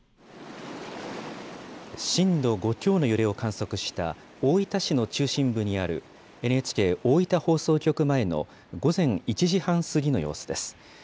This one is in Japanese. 震度５強の揺れを観測した大分市の中心部にある、ＮＨＫ大分放送局前の午前１時半過ぎの様子です。